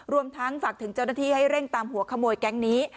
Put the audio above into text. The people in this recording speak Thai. รวมทั้งฝากถึงเจ้าหน้าที่ให้เร่งตามหัวขโมยแก๊งนี้